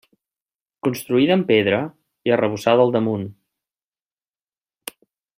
Construïda amb pedra i arrebossada al damunt.